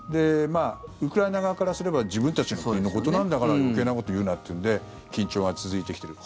ウクライナ側からすれば自分たちの国のことなんだから余計なこと言うなっていうんで緊張が続いてきている。